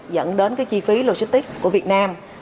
dẫn đến chi phí logistics của việt nam